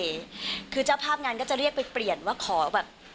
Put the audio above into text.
ทีแท้พอเจ้าภาพงานนั่นเองนะคะ